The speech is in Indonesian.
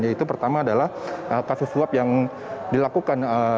yaitu pertama adalah kasus suap yang dilakukan